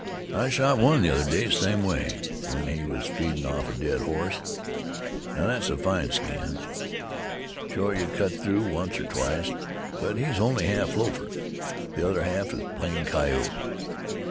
"I shot one the other day same way, when he was feedin' off a dead horse. Now thet's a fine skin. Shore you cut through once or twice. But he's only half lofer, the other half in plain coyote.